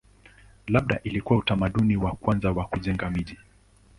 Labda ilikuwa utamaduni wa kwanza wa kujenga miji.